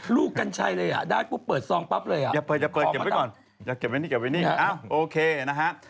ลูกกัญชัยเลยค่ะด่านปุ๊บเปิดซองปั๊บเลย